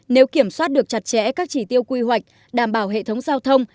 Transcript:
nếu kiểm soát được chặt chẽ các chỉ tiêu quy hoạch đảm bảo hệ thống giao thông